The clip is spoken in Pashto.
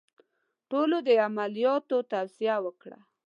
ټولو د عملیات توصیه وکړه.